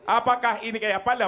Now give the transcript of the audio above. apakah ini kayak apa